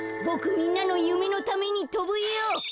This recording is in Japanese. みんなのゆめのためにとぶよ。